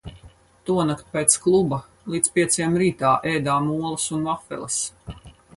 Tonakt pēc kluba līdz pieciem rītā ēdām olas un vafeles.